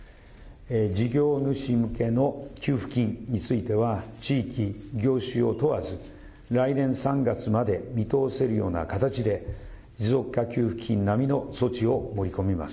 事業主向けの給付金については、地域、業種を問わず、来年３月まで見通せるような形で、持続化給付金並みの措置を盛り込みます。